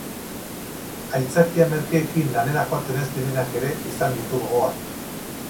Aitzakia merkeekin lanera joaten ez direnak ere izan ditu gogoan.